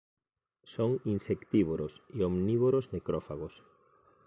Son insectívoros e omnívoros necrófagos.